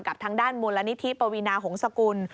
กับทางด้านมูลนิธิปวีนาหงษกุล